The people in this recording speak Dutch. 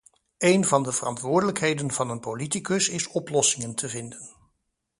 Een van de verantwoordelijkheden van een politicus is oplossingen te vinden.